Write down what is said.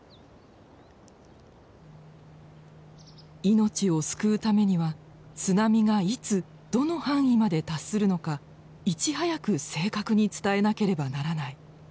命を救うためには津波がいつ・どの範囲まで達するのかいち早く正確に伝えなければならない。